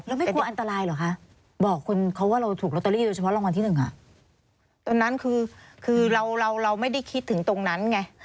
แล้วไม่กลัวอันตรายเหรอคะบอกคนเขาว่าเราถูกลอตเตอรี่เฉพาะรางวัลที่หนึ่ง